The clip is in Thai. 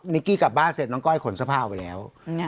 นิกกี้กลับบ้านเสร็จน้องก้อยขนสภาพไปแล้ว